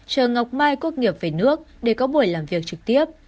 chờ ngọc mai quốc nghiệp về nước để có buổi làm việc trực tiếp